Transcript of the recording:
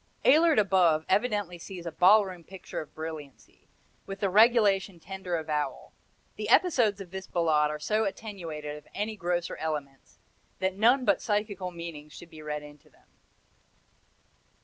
Ehlert above evidently sees a ballroom picture of brilliancy, with the regulation tender avowal. The episodes of this Ballade are so attenuated of any grosser elements that none but psychical meanings should be read into them.